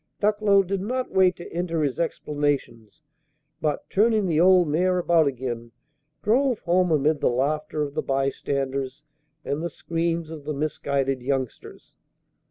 Ducklow did not wait to enter his explanations, but, turning the old mare about again, drove home amid the laughter of the by standers and the screams of the misguided youngsters.